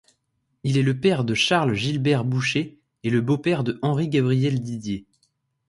Il est le père de Charles Gilbert-Boucher et le beau-père de Henry-Gabriel Didier.